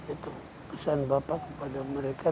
itu pesan bapak kepada mereka